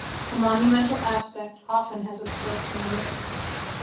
A monumental aspect often has its birth in ruin.